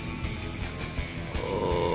うん。